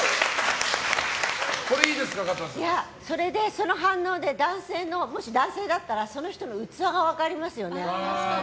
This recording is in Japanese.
その反応でもしそれが男性だったらその人の器が分かりますよね。